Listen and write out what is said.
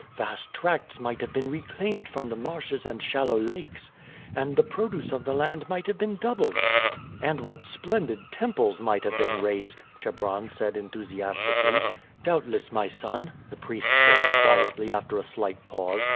Vast tracts might have been reclaimed from the marshes and shallow lakes, and the produce of the land might have been doubled." "And what splendid temples might have been raised!" Chebron said enthusiastically. "Doubtless, my son," the priest said quietly after a slight pause.